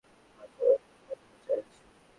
তোমার চা পছন্দ, তোমার জন্য চা এনেছি।